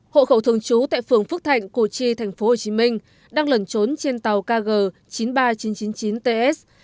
hộ khẩu thường trú tại phường phước thạnh củ chi tp hcm đang lẩn trốn trên tàu kg chín mươi ba nghìn chín trăm chín mươi chín ts